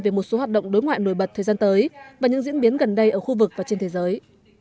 về một số hoạt động đối ngoại nổi bật thời gian tới và những diễn biến gần đây ở khu vực và trên thế giới